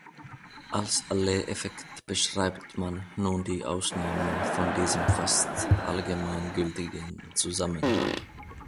Als Allee-Effekt beschreibt man nun die Ausnahmen von diesem fast allgemeingültigen Zusammenhang.